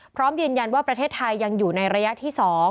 พร้อมยืนยันว่าประเทศไทยยังอยู่ในระยะที่๒